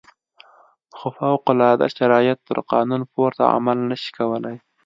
خو فوق العاده شرایط تر قانون پورته عمل نه شي کولای.